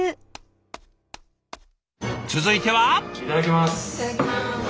続いては。